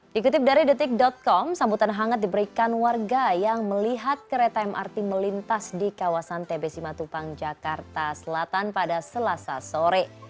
dikutip dari detik com sambutan hangat diberikan warga yang melihat kereta mrt melintas di kawasan tbc matupang jakarta selatan pada selasa sore